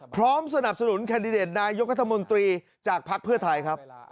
พร้อมสนับสนุนแคนดิเดตนายกรัฐมนตรีจากภักดิ์เพื่อไทยครับ